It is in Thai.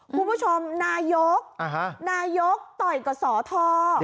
คุณผู้ชมนายกต่อยกับสอททอ